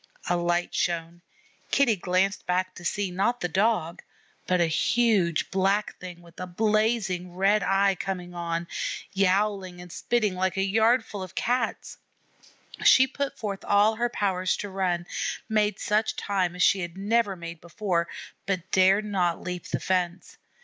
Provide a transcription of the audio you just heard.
A light shone. Kitty glanced back to see, not the Dog, but a huge Black Thing with a blazing red eye coming on, yowling and spitting like a yard full of Cats. She put forth all her powers to run, made such time as she had never made before, but dared not leap the fence.